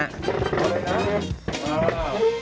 เติมไปแล้ว